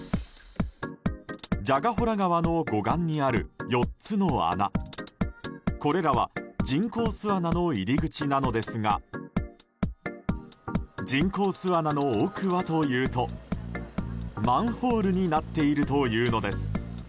蛇ヶ洞川の護岸にある４つの穴これらは人口巣穴の入り口なのですが人口巣穴の奥はというとマンホールになっているというのです。